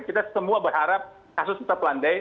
kita semua berharap kasus kita pelandai